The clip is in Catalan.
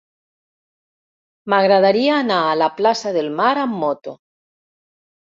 M'agradaria anar a la plaça del Mar amb moto.